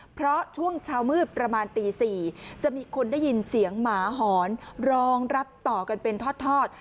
เพราะช่วงเช้ามืดประมาณตี๔จะมีคนได้ยินเสียงหมาหอนรองรับต่อกันเป็นทอด